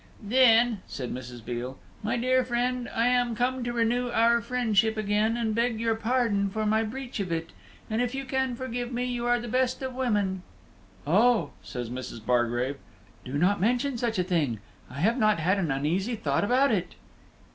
"Then," says Mrs. Veal, "my dear friend, I am come to renew our old friendship again, and beg your pardon for my breach of it; and if you can forgive me, you are the best of women." "Oh," says Mrs. Bargrave, "do not mention such a thing; I have not had an uneasy thought about it."